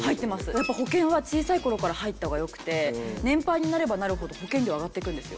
やっぱ保険は小さい頃から入った方がよくて年配になればなるほど保険料上がっていくんですよ。